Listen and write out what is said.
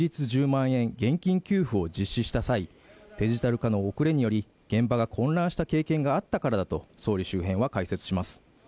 １０万円現金給付を実施した際デジタル化の遅れにより現場が混乱した経験があったからだと総理周辺は解説します